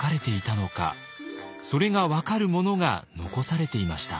それが分かるものが残されていました。